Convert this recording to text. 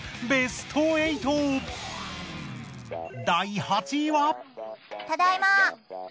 第８位は。